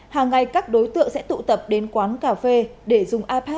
hàng ngày các đối tượng sẽ tụ tập đến quán cà phê để dùng ipad